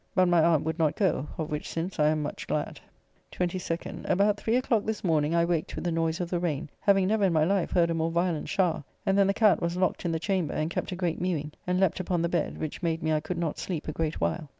But my aunt would not go, of which since I am much glad. 22nd. About three o'clock this morning I waked with the noise of the rayne, having never in my life heard a more violent shower; and then the catt was lockt in the chamber, and kept a great mewing, and leapt upon the bed, which made me I could not sleep a great while.